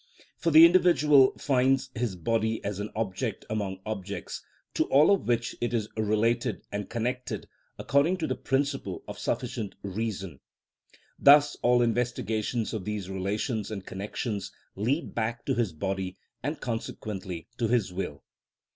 For the individual finds his body as an object among objects, to all of which it is related and connected according to the principle of sufficient reason. Thus all investigations of these relations and connections lead back to his body, and consequently to his will.